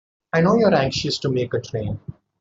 I know you're anxious to make a train.